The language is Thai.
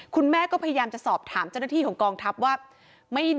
คุณแม่ก็พยายามจะสอบถามเจ้าหน้าที่ของกองทัพว่า